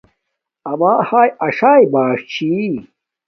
اما ھیا اݽایݵ باݽ چھِِی